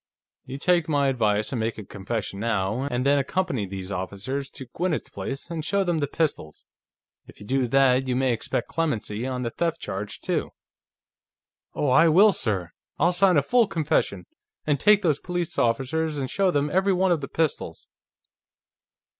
You take my advice and make a confession now, and then accompany these officers to Gwinnett's place and show them the pistols. If you do that, you may expect clemency on the theft charge, too." "Oh, I will, sir! I'll sign a full confession, and take these police officers and show them every one of the pistols...."